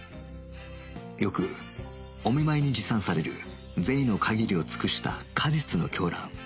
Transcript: よくお見舞いに持参される贅の限りを尽くした果実の狂乱